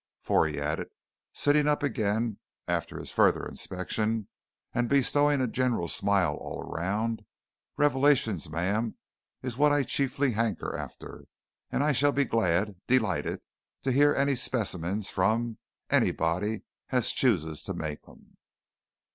For," he added, sitting up again after his further inspection, and bestowing a general smile all round, "revelations, ma'am, is what I chiefly hanker after, and I shall be glad delighted! to hear any specimens from anybody as chooses to make 'em!"